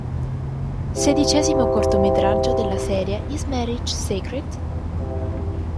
Sedicesimo cortometraggio della serie "Is Marriage Sacred?".